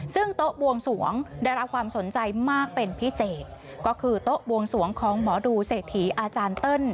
ซึ่งโต๊ะบวงสวงได้รับความสนใจมากเป็นพิเศษก็คือโต๊ะบวงสวงของหมอดูเศรษฐีอาจารย์เติ้ล